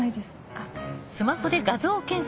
あっ。